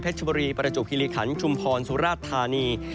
ภาคกลางก็คือจันทบุรีราชบุรีประจบฮิลิคันชุมพรสุราชธานี